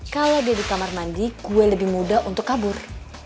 kalau di kamar mandi gue lebih muda untuk kabur